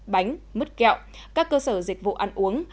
bánh mứt kẹo các cơ sở dịch vụ ăn uống